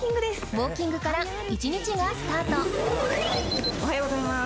ウォーキングから１日がスタートおはようございます。